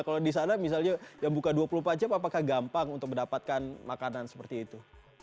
kalau di sana misalnya yang buka dua puluh empat jam apakah gampang untuk mendapatkan makanan seperti itu